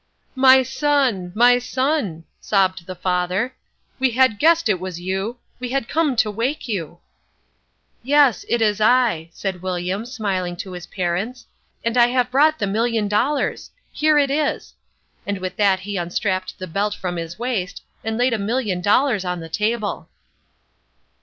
"My son, my son," sobbed the father, "we had guessed it was you. We had come to wake you." "Yes, it is I," said William, smiling to his parents, "and I have brought the million dollars. Here it is," and with that he unstrapped the belt from his waist and laid a million dollars on the table.